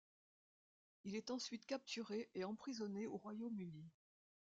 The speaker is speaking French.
Il est ensuite capturé et emprisonné au Royaume-Uni.